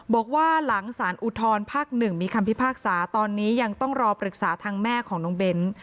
บอกว่าหลังสารอุทธรภาค๑มีคำพิพากษาตอนนี้ยังต้องรอปรึกษาทางแม่ของน้องเบ้น